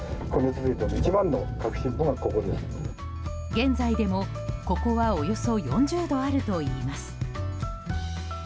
現在でも、ここはおよそ４０度あるといいます。